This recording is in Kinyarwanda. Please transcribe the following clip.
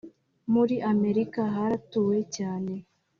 muri america haratuwe cyane